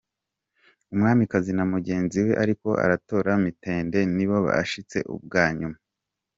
Umwamikazi na mugenzi we ariko aratora mitende nibo bashitse ubwa nyuma.